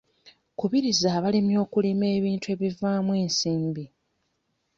Kubiriza abalimi okulima ebintu ebivaamu ensimbi.